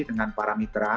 dengan para mitra